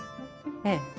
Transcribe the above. ええ。